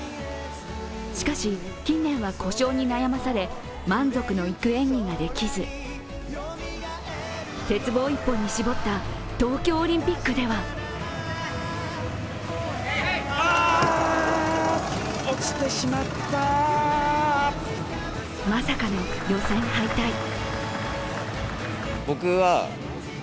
しかし、近年は故障に悩まされ、満足のいく演技ができず、鉄棒一本に絞った東京オリンピックではまさかの予選敗退。